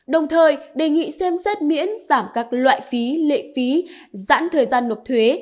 đồng thời đề nghị xem xét miễn giảm các loại phí lệ phí giãn thời gian nộp thuế